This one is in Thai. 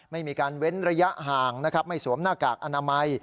ไม่มีการเว้นระยะห่างนะครับไม่สวมหน้ากากอนามัย